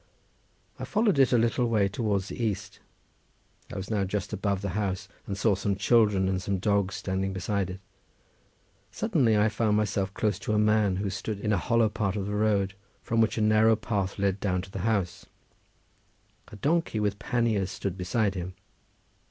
I followed it a little way towards the east. I was now just above the house, and saw some children and some dogs standing beside it. Suddenly I found myself close to a man who stood in a hollow part of the road from which a narrow path led down to the house; a donkey with panniers stood beside him.